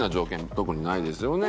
特にないですよね。